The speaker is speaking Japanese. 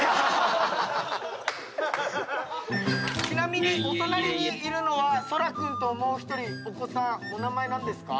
ちなみにお隣にいるのは空楽君ともう１人お子さんお名前何ですか？